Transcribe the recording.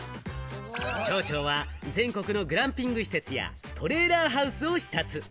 町長は全国のグランピング施設や、トレーラーハウスを視察。